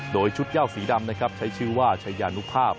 โดยชุดเย่าสีดำนะครับใช้ชื่อว่าชายานุภาพ